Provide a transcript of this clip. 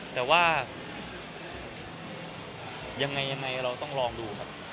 แต่ว่ายังไงเราต้องลองดูครับ